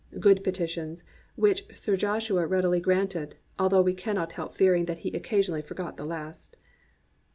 Good petitions, which Sir Joshua readily granted, although we can not help fearing that he occasionally forgot the last.